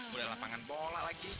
udah lapangan bola lagi